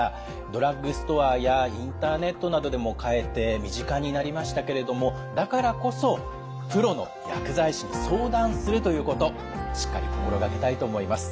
ドラッグストアやインターネットなどでも買えて身近になりましたけれどもだからこそプロの薬剤師に相談するということしっかり心掛けたいと思います。